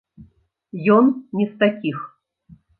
Ён не з такіх.